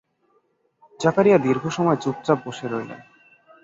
জাকারিয়া দীর্ঘ সময় চুপচাপ বসে রইলেন।